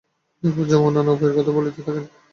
তারপর যম অন্যান্য উপায়ের কথা বলিতে থাকেন।